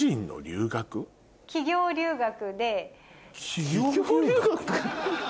企業留学？